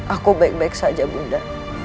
aku baik baik saja bunda